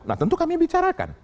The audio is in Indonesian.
nah tentu kami bicarakan